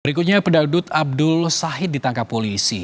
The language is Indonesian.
berikutnya pedaudut abdul sahid ditangkap polisi